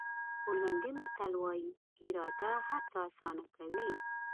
پولنډي متل وایي اراده هر څه آسانه کوي.